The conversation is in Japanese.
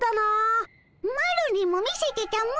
マロにも見せてたも。